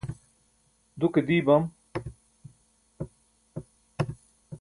duke dii bam